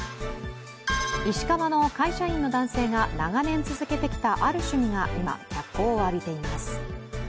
石川の会社員の男性が長年続けてきたある趣味が今、脚光を浴びています。